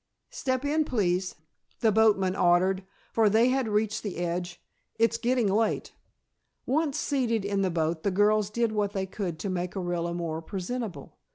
"Step in, please," the boatman ordered, for they had reached the edge. "It's getting late." Once seated in the boat the girls did what they could to make Orilla more presentable.